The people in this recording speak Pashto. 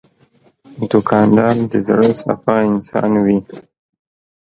دوکاندار د زړه صفا انسان وي.